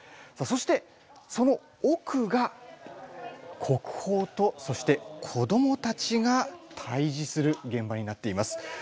さあそしてそのおくが国宝とそして子どもたちが対じする現場になっています。